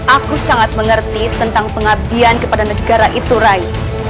aku sangat mengerti tentang pengabdian kepada negara itu rai